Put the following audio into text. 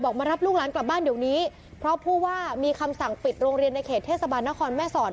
มารับลูกหลานกลับบ้านเดี๋ยวนี้เพราะผู้ว่ามีคำสั่งปิดโรงเรียนในเขตเทศบาลนครแม่สอด